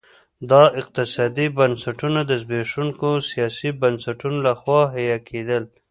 دا اقتصادي بنسټونه د زبېښونکو سیاسي بنسټونو لخوا حیه کېدل.